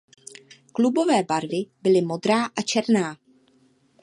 Klubové barvy byly modrá a černá.